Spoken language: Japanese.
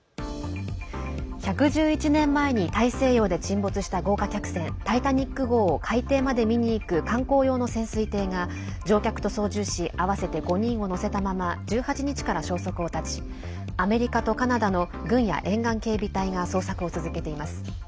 １１１年前に大西洋で沈没した豪華客船タイタニック号を海底まで見に行く観光用の潜水艇が、乗客と操縦士合わせて５人を乗せたまま１８日から消息を絶ちアメリカとカナダの軍や沿岸警備隊が捜索を続けています。